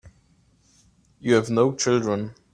You have no children.